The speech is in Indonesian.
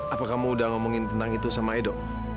apa kamu udah ngomongin tentang itu sama edo